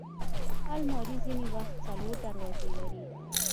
الماري ځینې وخت څلور دروازې لري